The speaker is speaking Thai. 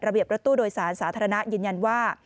เบียบรถตู้โดยสารสาธารณะยืนยันว่า